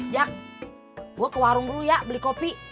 jak gue ke warung dulu ya beli kopi